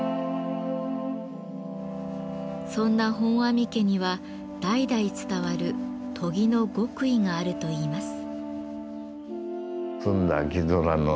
そんな本阿弥家には代々伝わる「研ぎの極意」があるといいます。